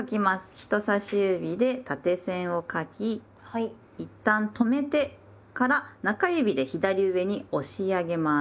人さし指で縦線を書きいったん止めてから中指で左上に押し上げます。